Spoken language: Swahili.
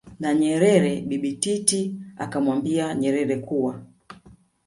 na Nyerere Bibi Titi akamwambia Nyerere kuwa